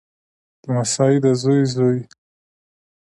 لمسی دزوی زوی